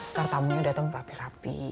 ntar tamunya datang rapi rapi